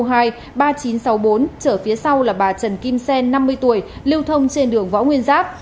trở phía sau là bà trần kim sen năm mươi tuổi lưu thông trên đường võ nguyên giáp